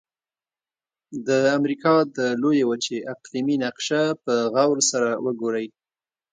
د امریکا د لویې وچې اقلیمي نقشه په غور سره وګورئ.